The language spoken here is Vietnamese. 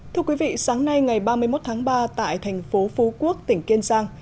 thưa quý vị sáng nay ngày ba mươi một tháng ba tại thành phố phú quốc tỉnh kiên giang